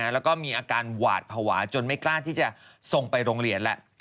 แล้วก็มีอาการหวาดภาวะจนไม่กล้าที่จะส่งไปโรงเรียนแล้ว